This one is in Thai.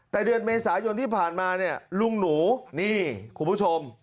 แต่เดือนเมษายนที่ผ่านมาเนี่ยลุงหนูนี่คุณผู้ชม